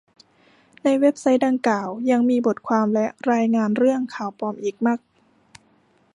ในเว็บไซต์ดังกล่าวยังมีบทความและรายงานเรื่อง ข่าวปลอม อีกมาก